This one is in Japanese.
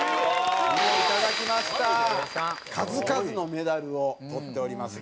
数々のメダルをとっております。